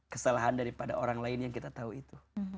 kesalahan daripada orang lain yang kita tahu itu